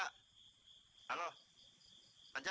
pak pak pak pak pak pak